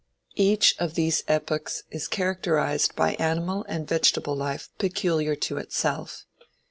Each of these epochs is characterized by animal and vegetable life peculiar to itself..